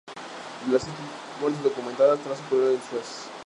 De las siete muertes documentadas, tres ocurrieron en Suez.